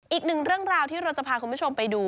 อีกหนึ่งเรื่องราวที่เราจะพาคุณผู้ชมไปดู